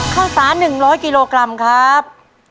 ข้าวสาร๑๐๐กิโลกรัมครับ